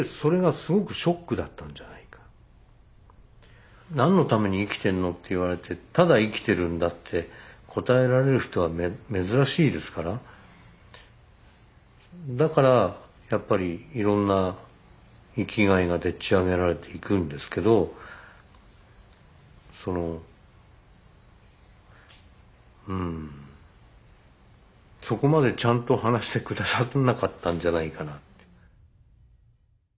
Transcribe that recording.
そして「何のために生きてるの？」って言われて「ただ生きてるんだ」って答えられる人は珍しいですからだからやっぱりいろんな生きがいがでっちあげられていくんですけどそのうんそこまでちゃんと話して下さらなかったんじゃないかな。